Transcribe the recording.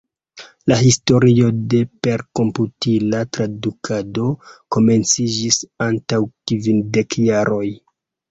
La historio de perkomputila tradukado komenciĝis antaŭ kvindek jaroj.